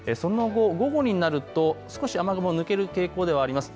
その後、午後になると少し雨雲抜ける傾向ではあります。